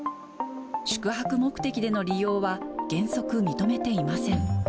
宿泊目的での利用は、原則、認めていません。